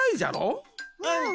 うん。